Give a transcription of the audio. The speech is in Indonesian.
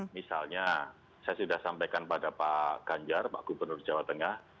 misalnya saya sudah sampaikan pada pak ganjar pak gubernur jawa tengah